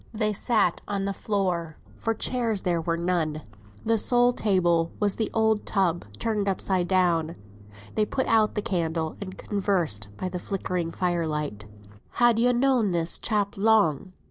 They sat on the floor, for chairs there were none; the sole table was an old tub turned upside down. They put out the candle and conversed by the flickering fire light. "Han yo known this chap long?"